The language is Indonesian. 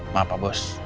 maaf pak bos